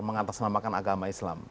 mengatasnamakan agama islam